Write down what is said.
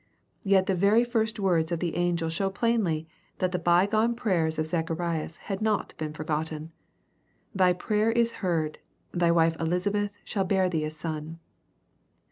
Yet the very first words of the angel show plainly that the bygone prayers of Zacharias had not been forgotten :—" Thy prayer is heard : thy wife Elisabeth shall bear thee a son."